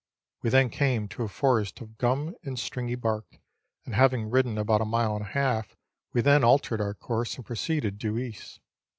We then came to a forest of gum and stringy bark, and having ridden about a mile and a half, we then altered our course and proceeded due east.